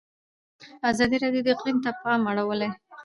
ازادي راډیو د اقلیم ته پام اړولی.